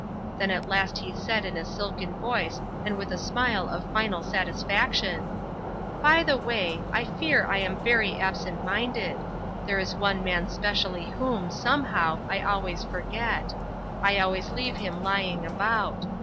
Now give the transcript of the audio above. Then at last he said in a silken voice and with a smile of final satisfaction: "By the way, I fear I am very absent minded. There is one man specially whom, somehow, I always forget. I always leave him lying about.